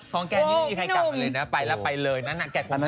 แกนี่ไม่มีใครกลับมาเลยนะไปแล้วไปเลยนั้น